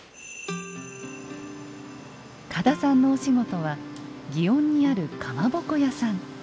嘉田さんのお仕事は園にあるかまぼこ屋さん。